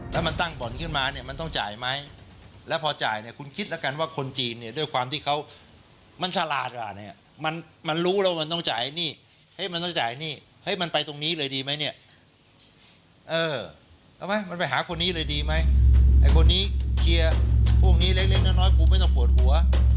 พวกนี้เล็กน้อยกูไม่ต้องปวดหัว